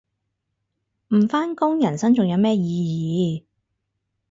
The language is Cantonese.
唔返工人生仲有咩意義